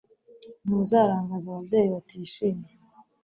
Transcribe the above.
Ntuzarangaza ababyeyi batishimye